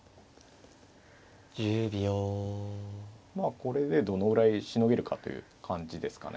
これでどのぐらいしのげるかという感じですかね。